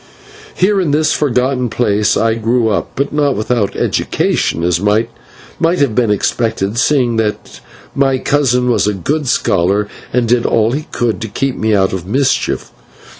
Here in this forgotten place I grew up, but not without education, as might have been expected, seeing that my cousin was a good scholar, and did all he could to keep me out of mischief.